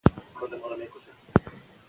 موږ باید له تیرو تېروتنو زده کړه وکړو.